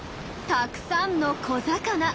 たくさんの小魚。